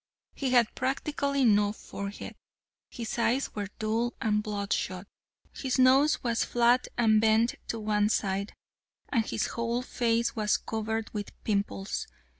He had practically no forehead. His eyes were dull and bloodshot. His nose was flat and bent to one side, and his whole face was covered with pimples.